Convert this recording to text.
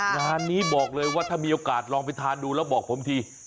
งานนี้บอกเลยว่าถ้ามีโอกาสลองไปทานดูแล้วบอกผมที